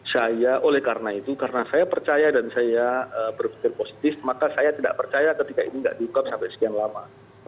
saya oleh karena itu karena saya percaya dan saya berpikir positif maka saya tidak percaya ketika ini tidak diungkap sampai sekian lama